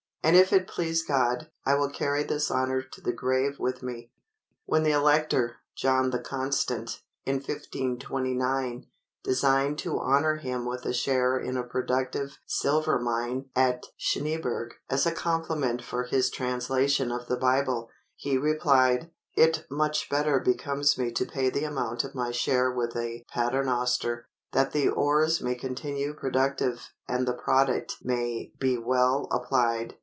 And if it please God, I will carry this honor to the grave with me." When the Elector, John the Constant, in 1529, designed to honor him with a share in a productive silver mine at Schneeberg as a compliment for his translation of the Bible, he replied, "It much better becomes me to pay the amount of my share with a pater noster, that the ores may continue productive and the product may be well applied."